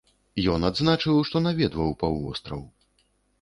Ён адзначыў, што наведваў паўвостраў.